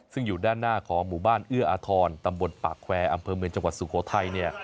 ซึ่งอยู่ด้านหน้าของหมู่บ้านเอื้ออาทรตำบลปากแควร์อำเภอเมืองจังหวัดสุโขทัยเนี่ย